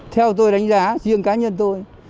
theo tôi đánh giá riêng cá nhân tôi